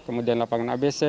kemudian lapangan abc